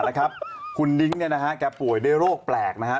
แล้วครับคุณนิ้งค์เนี่ยนะฮะแก่ป่วยได้โรคแปลกนะฮะ